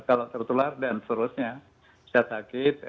kalau tertular dan seterusnya bisa sakit